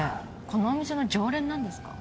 このお店の常連なんですか？